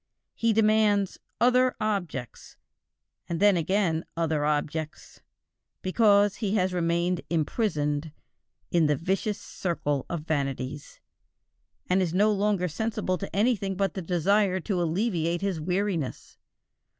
He demands "other objects," and then again other objects, because he has remained imprisoned "in the vicious circle of vanities," and is no longer sensible to anything but the desire to alleviate his weariness.